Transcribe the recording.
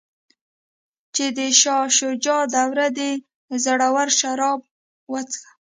چې د شاه شجاع دور دی زړور شراب وڅښه.